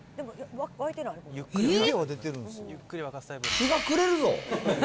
日が暮れるぞ。